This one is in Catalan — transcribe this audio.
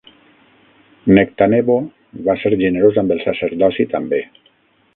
Nectanebo va ser generós amb el sacerdoci també.